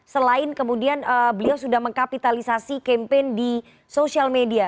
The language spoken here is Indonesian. selain kemudian beliau sudah mengkapitalisasi kempen di social media